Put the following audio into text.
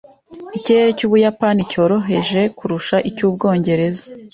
Ikirere cy’Ubuyapani cyoroheje kurusha icy'Ubwongereza.